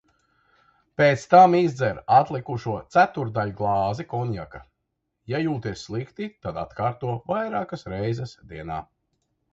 Pēc tam izdzer atlikušo ceturtdaļglāzi konjaka. Ja jūties slikti, tad atkārto vairākas reizes dienā.